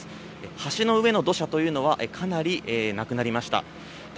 橋の上の土砂というのは、かなりなくなりました。